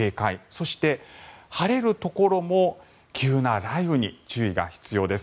そして、晴れるところも急な雷雨に注意が必要です。